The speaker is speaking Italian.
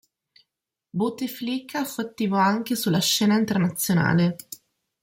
Bouteflika fu attivo anche sulla scena internazionale.